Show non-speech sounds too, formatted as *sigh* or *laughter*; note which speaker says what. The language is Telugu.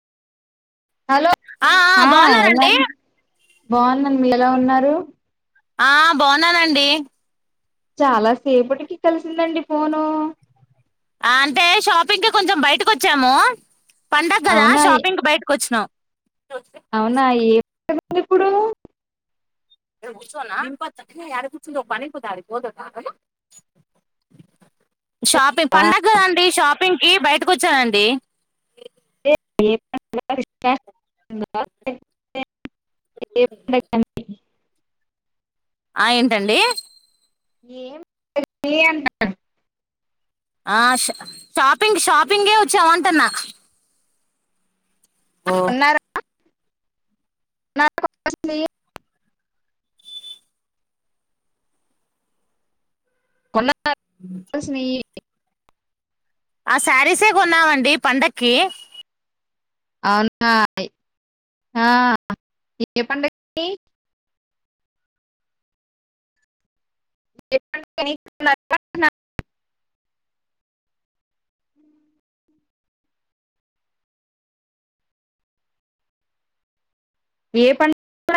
Speaker 1: ఆ ఎమం బాగున్నాను మీర్ ఎలా ఉన్నారు
Speaker 2: ఆ బాగున్నానండి
Speaker 1: చాలాసేపటికి కలిసిందండి ఫోను
Speaker 2: అంటే షాపింగ్కి కొంచెం బయటకి వచ్చాము పండగ కదా
Speaker 1: అవునా
Speaker 2: షాపింగ్ కి బయటకు వచ్చినాం
Speaker 1: అవునా ఏం పండగ ఇప్పుడు
Speaker 2: ష నం ప త ారికి చంద మని కుదా అకిదద *unintelligible* *inaudible* షాపింగ్
Speaker 1: ఆ,
Speaker 2: పండగదాండి షాపింగ్కి బయటకు వచ్చానండి
Speaker 1: ఏ *unintelligible* పండగ ఆన్
Speaker 2: ఆ ఏంటండి
Speaker 1: ఏంటి అన్నా
Speaker 2: ఆ ష షాపింగ్ షాపింగే వచ్చామంటన్నా ఓ
Speaker 1: నా *unintelligible*
Speaker 2: *inaudible*
Speaker 1: కొన్నా కావలసినవి
Speaker 2: ఆ సారీసే కొన్నామండి పండక్కి
Speaker 1: అవునా ఆ ఏ పండక్కి *unintelligible* ఏ పండుగ